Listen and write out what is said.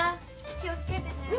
気を付けてね。